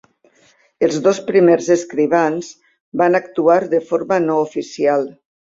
Els dos primers escrivans van actuar de forma no oficial.